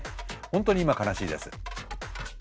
本当に今悲しいです。